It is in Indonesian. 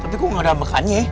tapi kok gak ada makannya